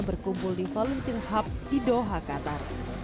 berkumpul di volunteng hub di doha qatar